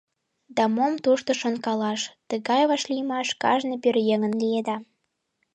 Да мом тушто шонкалаш, тыгай вашлиймаш кажне пӧръеҥын лиеда.